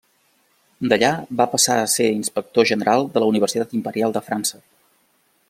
D'allà va passar a ser inspector general de la Universitat Imperial de França.